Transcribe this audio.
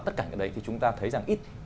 tất cả cái đấy thì chúng ta thấy rằng ít